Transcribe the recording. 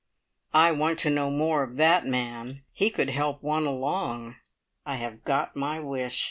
I want to know more of that man. He could help one along. I have got my wish.